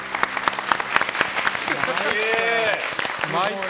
参った。